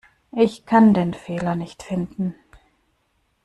Ich kann den Fehler nicht finden.